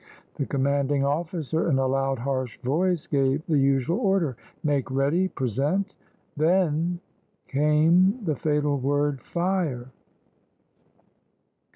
The commanding officer, in a loud, harsh voice, gave the usual order, "Make ready," "Present," then came the fatal word "Fire!"